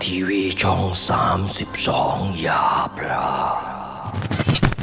ทีวีช่องสามสิบสองหยาปราศ